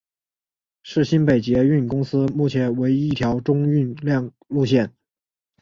是新北捷运公司目前唯一一条中运量路线。